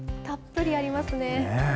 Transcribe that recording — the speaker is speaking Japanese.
たっぷりありますね。